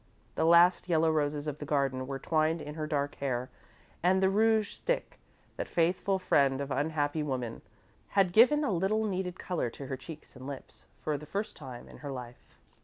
The last yellow roses of the garden were twined in her dark hair, and the rouge stick, that faithful friend of unhappy woman, had given a little needed colour to her cheeks and lips, for the first time in her life.